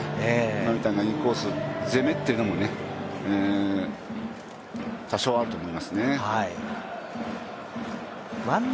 今みたいなインコース攻めというのも多少あると思いますね。